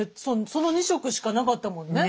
その２色しかなかったもんね。